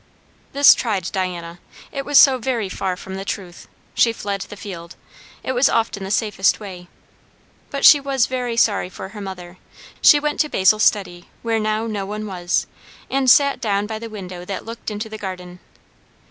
This tried Diana, it was so very far from the truth. She fled the field. It was often the safest way. But she was very sorry for her mother. She went to Basil's study, where now no one was, and sat down by the window that looked into the garden.